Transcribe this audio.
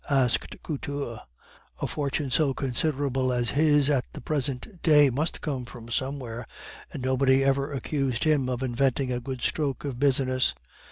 asked Couture. "A fortune so considerable as his at the present day must come from somewhere; and nobody ever accused him of inventing a good stroke of business."